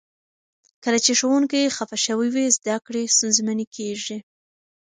کله چې ښوونکي خفه شوي وي، زده کړې ستونزمنې کیږي.